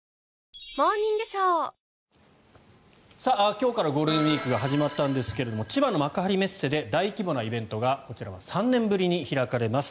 今日からゴールデンウィークが始まったんですが千葉の幕張メッセで大規模なイベントがこちらは３年ぶりに開かれます。